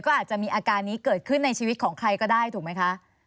ก็อาจจะมีอาการนี้เกิดขึ้นในชีวิตของใครก็ได้ถูกไหมคะ